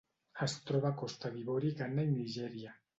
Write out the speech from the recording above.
Es troba a Costa d'Ivori, Ghana i Nigèria.